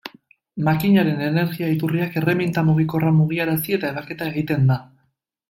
Makinaren energia-iturriak erreminta mugikorra mugiarazi eta ebaketa egiten da.